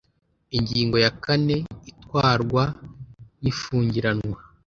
Ingingo ya kane Itwarwa n ifungiranwa